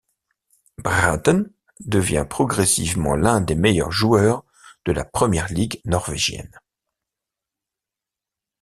Braaten devient progressivement l'un des meilleurs joueurs de la première ligue norvégienne.